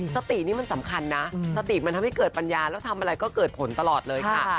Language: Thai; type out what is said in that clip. สตินี่มันสำคัญนะสติมันทำให้เกิดปัญญาแล้วทำอะไรก็เกิดผลตลอดเลยค่ะ